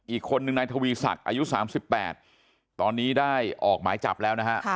อีกคนนึงนายทวีศักดิ์อายุ๓๘ตอนนี้ได้ออกหมายจับแล้วนะฮะ